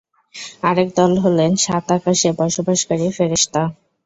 আরেক দল হলেন সাত আকাশে বসবাসকারী ফেরেশতা।